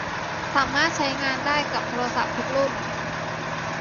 สามารถใช้งานได้กับโทรศัพท์ทุกรุ่น